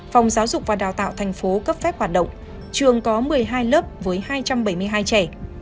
phòng giáo dục và đào tạo thành phố cấp phép hoạt động trường có một mươi hai lớp với hai trăm bảy mươi hai trẻ